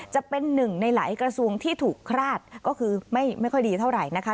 จะเป็นหนึ่งในหลายกระทรวงที่ถูกคลาดก็คือไม่ค่อยดีเท่าไหร่นะคะ